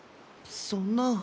そんな。